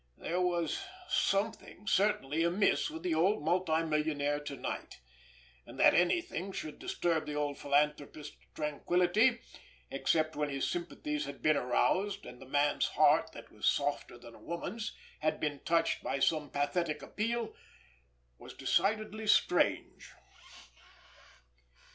There was something certainly amiss with the old multi millionaire tonight, and that anything should disturb the old philanthropist's tranquillity, except when his sympathies had been aroused and the man's heart, that was softer than a woman's, had been touched by some pathetic appeal, was decidedly strange.